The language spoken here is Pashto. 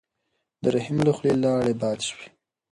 د رحیم له خولې لاړې باد شوې.